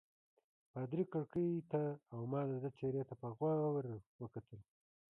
پادري کړکۍ ته او ما د ده څېرې ته په غور وکتل.